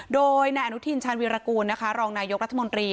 โดยในอนุทินชาญวิรากูลนะคะรองนายกรรภ์รัฐมนตรี